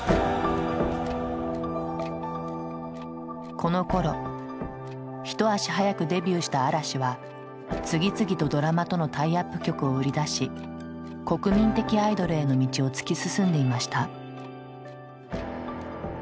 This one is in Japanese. このころ一足早くデビューした嵐は次々とドラマとのタイアップ曲を売り出し国民的アイドルへの道を突き進んでいました。